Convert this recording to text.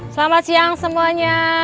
selamat siang semuanya